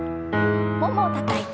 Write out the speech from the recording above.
ももをたたいて。